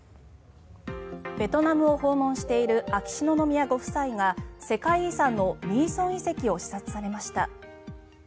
ベトナムを訪問している秋篠宮ご夫妻が世界遺産のミーソン遺跡を視察されました。